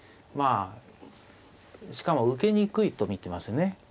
まあしかも受けにくいと見てますね。